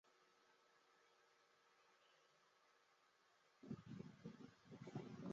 晚年的佩格劳仍继续从事交通号志小人的设计工作。